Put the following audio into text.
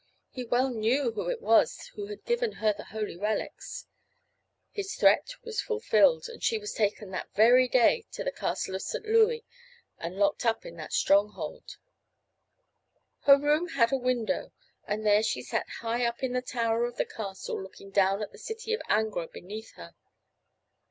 He well knew who it was who had given her the holy relics. His threat was fulfilled, and she was taken that very day to the castle of St. Louis and locked up in that stronghold. Her room had a window, and there she sat high up in the tower of the castle looking down at the city of Angra beneath her.